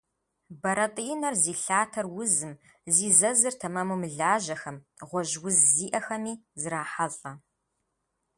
Бэрэтӏинэр зи лъатэр узым, зи зэзыр тэмэму мылажьэхэм, гъуэжь уз зиӏэхэми зрахьэлӏэ.